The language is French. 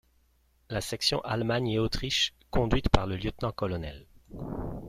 La section Allemagne et Autriche, conduite par le Lt-Col.